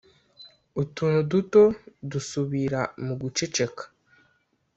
utuntu duto dusubira mu guceceka,